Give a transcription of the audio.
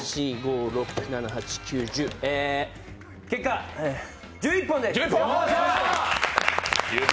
結果、１１本です！